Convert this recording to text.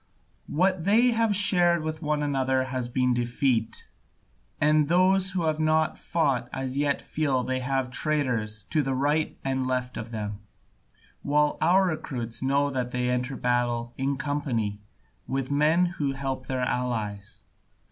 What they have shared with one another has been defeat, and those who have not fought as yet feel they have traitors to right and left of them, while our recruits know that they enter battle in company with men who help their allies.